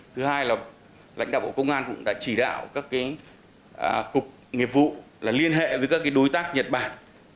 thứ hai là lãnh đạo bộ công an cũng đã chỉ đạo các cục nghiệp vụ liên hệ với các đối tác nhật bản